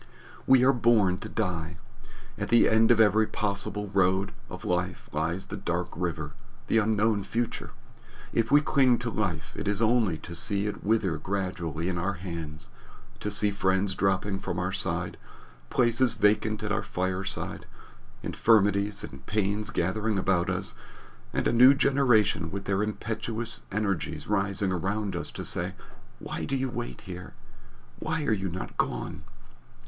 We are born to die. At the end of every possible road of life lies the dark River the unknown future. If we cling to life, it is only to see it wither gradually in our hands, to see friends dropping from our side, places vacant at our fireside, infirmities and pains gathering about us, and a new generation with their impetuous energies rising around us to say, Why do you wait here? Why are you not gone?